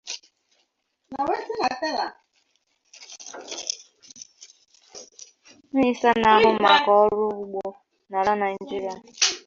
Minista na-ahụ maka ọrụ ugbo n'ala Nigeria